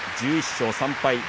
１１勝３敗。